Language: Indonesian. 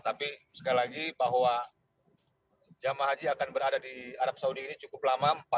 tapi sekali lagi bahwa jemaah haji akan berada di arab saudi ini cukup lama